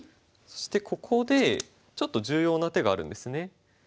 そしてここでちょっと重要な手があるんですね。